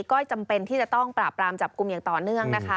ก็จำเป็นที่จะต้องปราบรามจับกลุ่มอย่างต่อเนื่องนะคะ